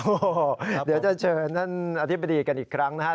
โอ้โหเดี๋ยวจะเชิญท่านอธิบดีกันอีกครั้งนะครับ